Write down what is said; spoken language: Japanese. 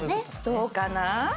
どうかな？